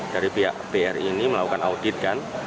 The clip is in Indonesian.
dari pihak bri ini melakukan audit kan